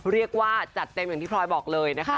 เรียกว่าจัดเต็มอย่างที่พลอยบอกเลยนะคะ